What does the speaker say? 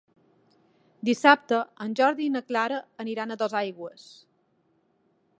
Dissabte en Jordi i na Clara aniran a Dosaigües.